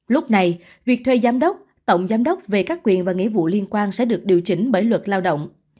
lúc này việc thuê giám đốc tổng giám đốc về các quyền và nghĩa vụ liên quan sẽ được điều chỉnh bởi luật lao động